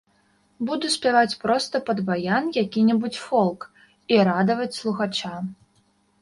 Буду спяваць проста пад баян які-небудзь фолк і радаваць слухача.